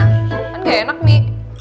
kan gak enak mie